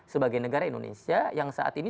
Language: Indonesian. sebagai negara indonesia yang saat ini